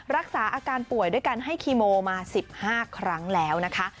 รักษาอาการป่วยด้วยการให้คีโมมา๑๕ครั้งแล้วนะคะ